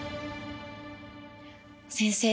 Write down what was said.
先生